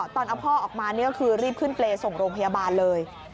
ตอนเอาพ่อออกมานี่ก็คือรีบขึ้นเปรย์ส่งโรงพยาบาลเลย